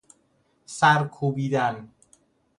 سر کوبیدن